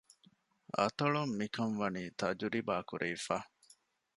އަތޮޅުން މިކަން ވަނީ ތަޖުރިބާ ކުރެވިފަ